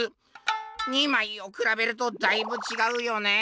「２まいをくらべるとだいぶ違うよね。